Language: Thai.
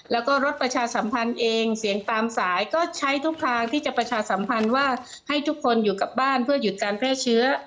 แล้วก็รถประชาสัมพันธ์เองเสียงตามสายก็ใช้ทุกทางที่จะประชาสัมพันธ์ว่าให้ทุกคนอยู่กับบ้านเพื่อหยุดการแพร่เชื้อ